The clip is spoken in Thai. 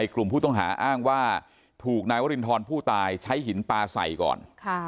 กลุ่มผู้ต้องหาอ้างว่าถูกนายวรินทรผู้ตายใช้หินปลาใส่ก่อน